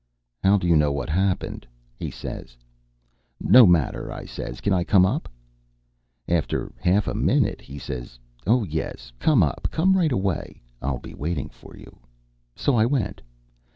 "'How do you know what happened?' he says. "'No matter,' I says; 'can I come up?' "After a half a minute he says, 'Oh, yes! Come up. Come right away. I'll be waiting for you.' "So I went."